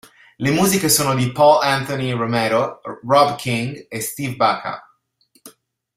Le musiche sono di Paul Anthony Romero, Rob King e Steve Baca.